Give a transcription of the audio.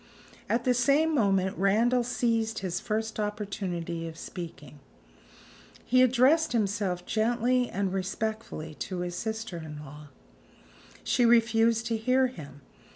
At the same moment Randal seized his first opportunity of speaking. He addressed himself gently and respectfully to his sister in law. She refused to hear him.